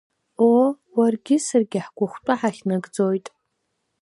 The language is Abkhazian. Оо, уаргьы саргьы ҳгәахәтәы ҳахьнагӡоит.